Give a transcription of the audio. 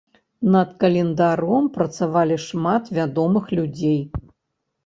Над календаром працавалі шмат вядомых людзей.